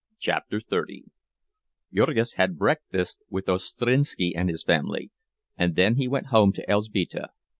CHAPTER XXX Jurgis had breakfast with Ostrinski and his family, and then he went home to Elzbieta.